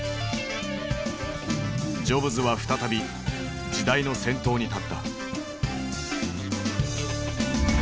ジョブズは再び時代の先頭に立った。